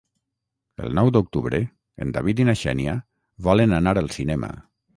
El nou d'octubre en David i na Xènia volen anar al cinema.